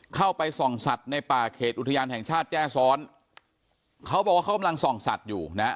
เข้าไปส่องสัตว์ในป่าเขตอุทยานแห่งชาติแจ้ซ้อนเขาบอกว่าเขากำลังส่องสัตว์อยู่นะฮะ